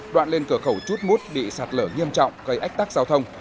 đoạn lên cửa khẩu chút mút bị sạt lở nghiêm trọng gây ách tắc giao thông